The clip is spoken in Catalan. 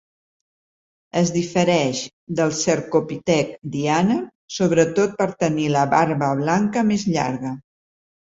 Es difereix del cercopitec diana sobretot per tenir la barba blanca més llarga.